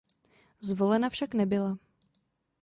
Zvolena však nebyla.